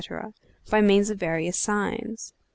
by means of various signs.